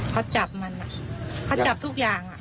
เขาจับมันเขาจับทุกอย่าง